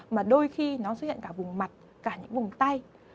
mà đôi khi nó xuất hiện cả vùng mặt cả những vùng tay